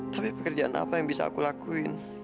tapi pekerjaan apa yang bisa aku lakuin